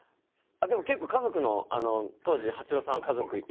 あっでも結構家族の当時八郎さんは家族いたんで。